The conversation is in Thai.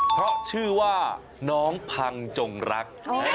เพราะชื่อว่าน้องพังจงรัก